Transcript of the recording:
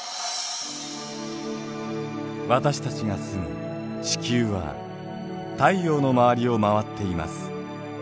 私たちが住む地球は太陽の周りを回っています。